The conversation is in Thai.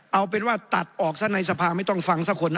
เอาเป็นว่าตัดออกซะในสภาไม่ต้องฟังสักคนนะ